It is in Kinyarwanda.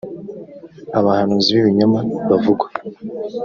abahanuzi b ibinyoma bavugwa